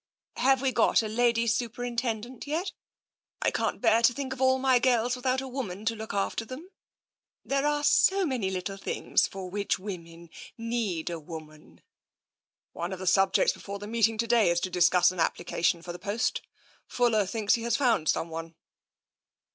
€( 6 TENSION " Have we got a Lady Superintendent yet ? I can't bear to think of all my girls without a woman to look after them. There are so many little things for which women need a woman." " One of the subjects before the meeting to day is to discuss an application for the post. Fuller thinks he has found some one."